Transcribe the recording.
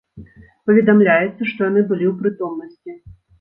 Паведамляецца, што яны былі ў прытомнасці.